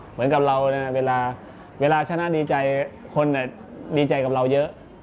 เหมือนกับเราเวลาชนะดีใจคนดีใจกับเราเยอะ